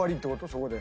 そこで。